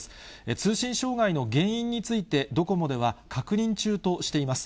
通信障害の原因について、ドコモでは確認中としています。